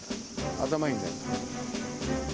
頭いいんだよ。